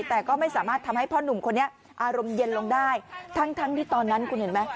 แต่ก็ไม่สามารถทำให้พ่อหนุ่มคนนี้อารมณ์เย็นลงได้ทั้งที่ตอนนั้นคุณเห็นไหม